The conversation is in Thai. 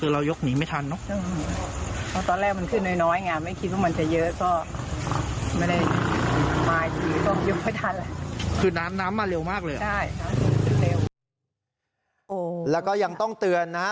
แล้วก็ยังต้องเตือนนะ